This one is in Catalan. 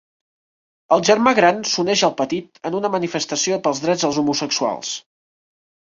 El germà gran s'uneix al petit en una manifestació pels drets els homosexuals.